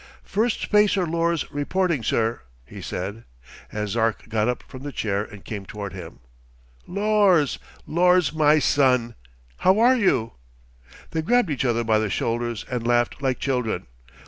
"Firstspacer Lors reporting, sir," he said, as Zark got up from the chair and came toward him. "Lors, Lors, my son! How are you?" They grabbed each other by the shoulders and laughed like children.